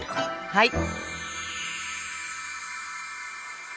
はい。